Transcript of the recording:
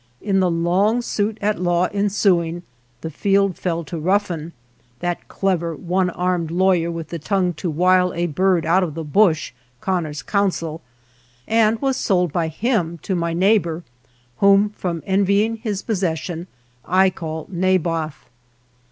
I In the long suit at law ensuing, the field fell to Ruffin, that clever one armed lawyer with the tongue to wile a bird out of the bush, Connor's counsel, and was sold by him to my neighbor, whom from envying his possession I call Naboth.